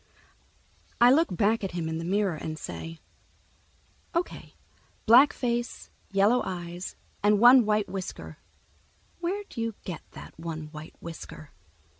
I look back at him in the mirror and say, "O.K., black face, yellow eyes, and one white whisker. Where'd you get that one white whisker?"